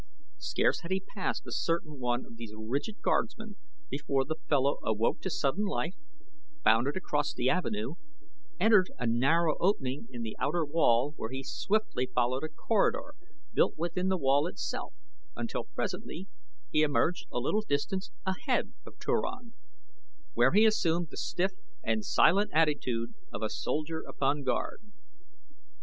Scarce had he passed a certain one of these rigid guardsmen before the fellow awoke to sudden life, bounded across the avenue, entered a narrow opening in the outer wall where he swiftly followed a corridor built within the wall itself until presently he emerged a little distance ahead of Turan, where he assumed the stiff and silent attitude of a soldier upon guard.